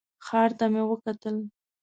ښار ته مې وکتل.